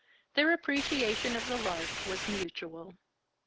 Their appreciation of the lark was mutual.